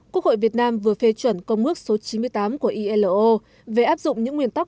quốc hội việt nam vừa phê chuẩn công mức số chín mươi tám của ilo về áp dụng những nguyên tắc